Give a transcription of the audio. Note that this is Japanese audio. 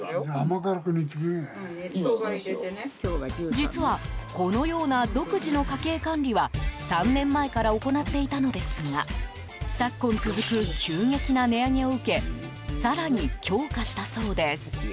実はこのような独自の家計管理は３年前から行っていたのですが昨今続く急激な値上げを受け更に強化したそうです。